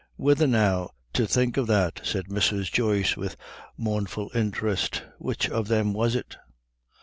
"Whethen now, to think of that," said Mrs. Joyce with mournful interest, "which of them was it?"